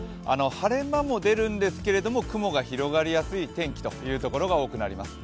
晴れ間も出るんですが雲が広がりやすい天気という所が多くなります。